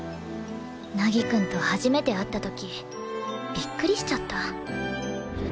凪くんと初めて会った時びっくりしちゃった。